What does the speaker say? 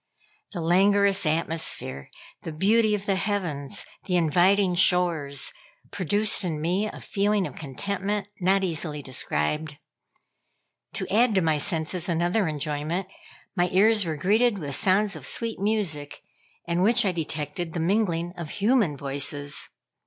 The languorous atmosphere, the beauty of the heavens, the inviting shores, produced in me a feeling of contentment not easily described. To add to my senses another enjoyment, my ears were greeted with sounds of sweet music, in which I detected the mingling of human voices.